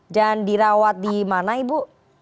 dan dirawat di mana ibu